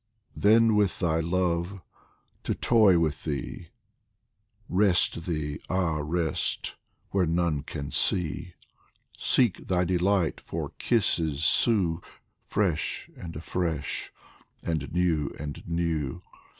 Then with thy love to toy with thee, Rest thee, ah, rest ! where none can see ; Seek thy delight, for kisses sue, Fresh and afresh and new and new